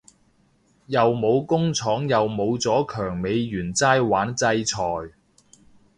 又冇工廠又冇咗強美元齋玩制裁